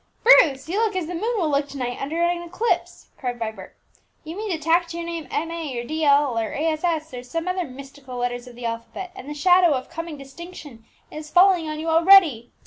"Bruce, you look as the moon will look to night under an eclipse!" cried Vibert; "you mean to tack to your name M.A. or D.L. or A.S.S., or some other mystical letters of the alphabet, and the shadow of coming distinction is falling on you already!"